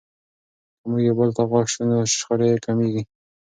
که موږ یو بل ته غوږ سو نو شخړې کمیږي.